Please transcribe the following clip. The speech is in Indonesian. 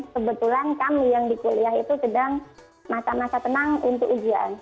kebetulan kami yang di kuliah itu sedang masa masa tenang untuk ujian